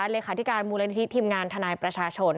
ลี่คาธิการบู๑๙๕๗ทีมงานธนายประชาชน